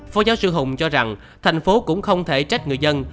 phó giáo sư hùng cho rằng thành phố cũng không thể trách người dân